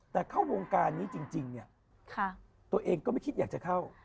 แต่เข้าวงการนี้จริงเนี่ยตัวเองก็ไม่คิดอยากจะเข้า